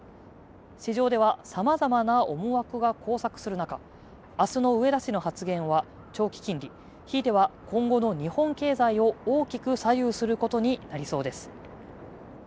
市場では様々な思惑が交錯する中、明日の植田氏の発言は長期金利ひいては、今後の日本経済を大きく左右することになりそうです。